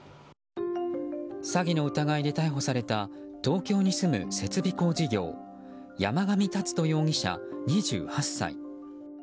詐欺の疑いで逮捕された東京に住む設備工事業山上龍人容疑者、２８歳。